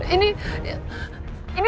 ini di jalan dutamas